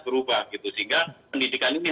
berubah sehingga pendidikan ini